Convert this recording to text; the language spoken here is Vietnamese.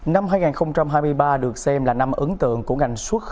năm hai nghìn hai mươi ba được xem là năm ứng tượng của ngành dịch may việt nam